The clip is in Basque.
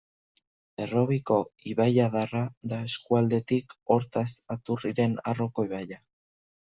Errobiko ibaiadarra da eskuinaldetik, hortaz, Aturriren arroko ibaia.